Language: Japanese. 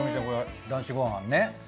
これ『男子ごはん』ね